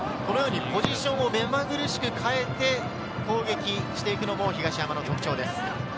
ポジションを目まぐるしく変えて攻撃していくのが東山の特徴です。